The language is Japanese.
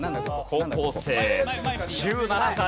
高校生１７歳。